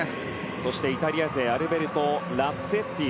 そしてイタリア勢アルベルト・ラッツェッティ。